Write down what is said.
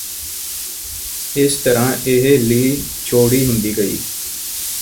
ਇਸ ਤਰ੍ਹਾਂ ਇਹ ਲੀਹ ਚੋੜੀ ਹੁੰਦੀ ਗਈ